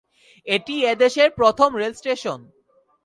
এটিই এদেশের প্রথম রেল স্টেশন।